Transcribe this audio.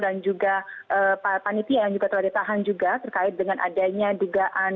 dan juga panitia yang juga telah ditahan juga terkait dengan adanya dugaan